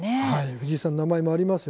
藤井さんの名前もあります。